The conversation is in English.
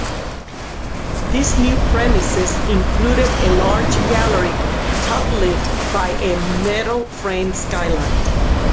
These new premises included a large gallery top-lit by a metal framed skylight.